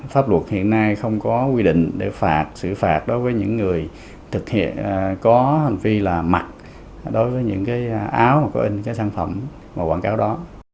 pháp luật hiện nay không có quy định để phạt xử phạt đối với những người thực hiện có hành vi là mặt đối với những cái áo mà có in cái sản phẩm mà quảng cáo đó